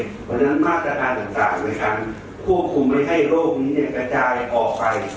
เพราะฉะนั้นมาตรการต่างในการควบคุมไม่ให้โรคนี้กระจายออกไป